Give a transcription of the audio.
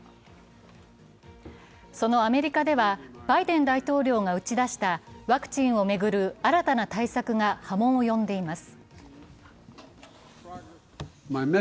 そのアメリカでは、バイデン大統領が打ち出したワクチンを巡る新たな対策が波紋を呼んでいます。